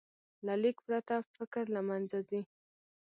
له لیک پرته، فکر له منځه ځي.